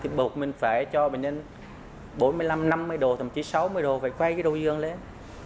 thì buộc mình phải cho bệnh nhân bốn mươi năm năm mươi độ thậm chí sáu mươi độ phải quay cái đầu dương lên